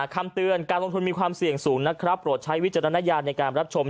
คำเตือนการลงทุนมีความเสี่ยงสูงนะครับโปรดใช้วิจารณญาณในการรับชม